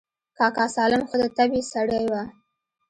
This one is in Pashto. کاکا سالم ښه د طبعې سړى و.